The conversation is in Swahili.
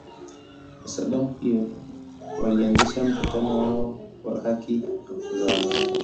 Kwa sababu hiyo, walianzisha mkutano wao wa haki za wanawake.